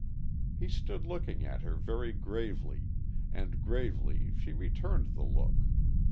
He stood looking at her very gravely and gravely she returned the look.